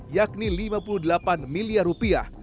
yakni lima puluh delapan miliar rupiah